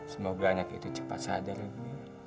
semoga anak itu cepat sadar ini